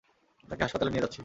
তাকে হাসপাতালে নিয়ে যাচ্ছি।